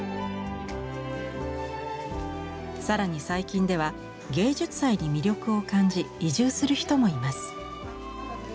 更に最近では芸術祭に魅力を感じ移住する人もいます。